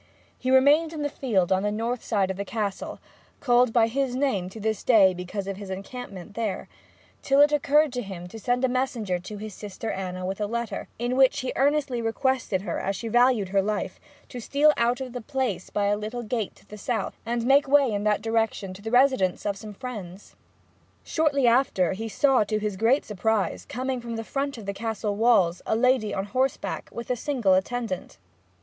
He remained in the field on the north side of the Castle (called by his name to this day because of his encampment there) till it occurred to him to send a messenger to his sister Anna with a letter, in which he earnestly requested her, as she valued her life, to steal out of the place by the little gate to the south, and make away in that direction to the residence of some friends. Shortly after he saw, to his great surprise, coming from the front of the Castle walls a lady on horseback, with a single attendant.